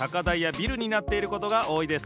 ビルになっていることがおおいです。